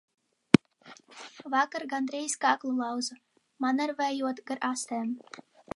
Vakar gandrīz kaklu lauzu, manevrējot gar astēm.